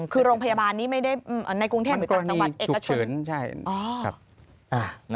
คือโรงพยาบาลนี้ไม่ได้ในกรุงเทพหรือกลุ่มจังหวัดเอกชน